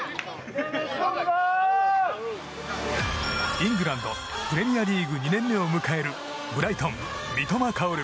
イングランド・プレミアリーグ２年目を迎えるブライトン、三笘薫。